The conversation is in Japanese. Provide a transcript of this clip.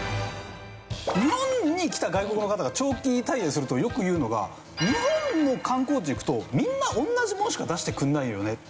日本に来た外国の方が長期滞在するとよく言うのが日本の観光地行くとみんな同じものしか出してくれないよねって。